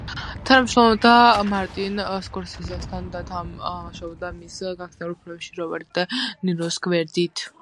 თანამშრომლობდა მარტინ სკორსეზესთან და თამაშობდა მის განგსტერულ ფილმებში რობერტ დე ნიროს გვერდით.